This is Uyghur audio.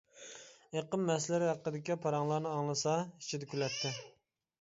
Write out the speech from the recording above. ئېقىم مەسىلىلىرى ھەققىدىكى پاراڭلارنى ئاڭلىسا ئىچىدە كۈلەتتى.